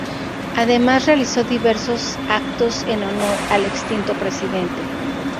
Además realizó diversos actos en honor al extinto presidente.